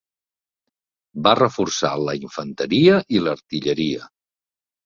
Va reforçar la infanteria i l'artilleria.